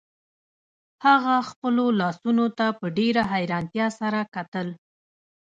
هغه خپلو لاسونو ته په ډیره حیرانتیا سره کتل